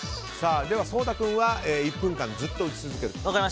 では颯太君は１分間ずっと打ち続ける。